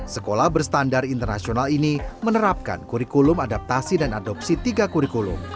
sekolah berstandar internasional ini menerapkan kurikulum adaptasi dan adopsi tiga kurikulum